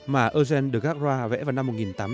mà eugène de garrois vẽ vào năm một nghìn tám trăm ba mươi